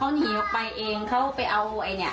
เขาหนีไปเอาเสื้อผ้าที่เขาไปซักเอาให้ด้านเพื่อง